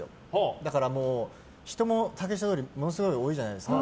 だから、人も竹下通りものすごい多いじゃないですか。